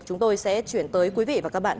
chúng tôi sẽ chuyển tới quý vị và các bạn